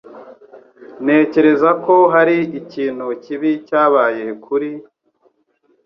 Ntekereza ko hari ikintu kibi cyabaye kuri